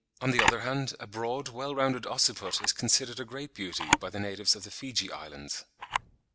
On the other hand, "a broad, well rounded occiput is considered a great beauty" by the natives of the Fiji Islands.